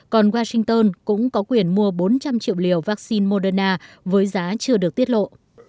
còn washington cũng có quyền mua bốn trăm linh triệu liều vaccine moderna với giá chưa được tiết lộ